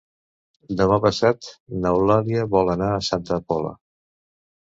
Demà passat n'Eulàlia vol anar a Santa Pola.